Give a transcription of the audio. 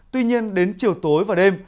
tuy nhiên đến chiều tối và đêm